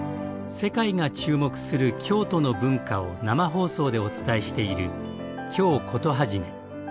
世界が注目する京都の文化を生放送でお伝えしている「京コトはじめ」。